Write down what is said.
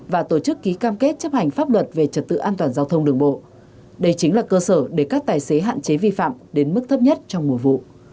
và tổ chức ký cam kết chấp hành pháp luật về trật tự an toàn giao thông đường bộ đây chính là cơ sở để các tài xế hạn chế vi phạm đến mức thấp nhất trong mùa vụ